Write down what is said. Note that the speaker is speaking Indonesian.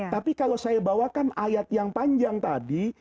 tapi kalau saya bawakan ayat yang panjang tadi